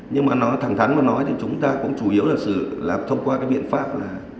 nhưng mà nó thẳng thắn mà nói thì chúng ta cũng chủ yếu là thông qua cái biện pháp là